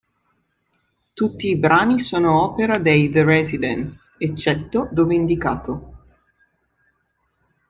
Tutti i brani sono opera dei The Residents, eccetto dove indicato.